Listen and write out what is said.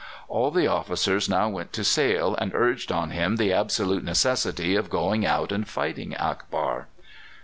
All the officers now went to Sale and urged on him the absolute necessity of going out and fighting Akbar.